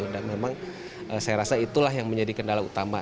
dan memang saya rasa itulah yang menjadi kendala utama